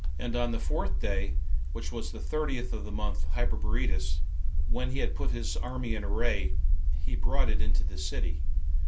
And on the fourth day, which was the thirtieth of the month Hyperbereteus, [Tisri,] when he had put his army in array, he brought it into the city.